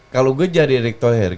kalau gue jadi erik thohir